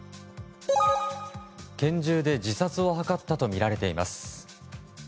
拳銃で自殺を図ったとみられています。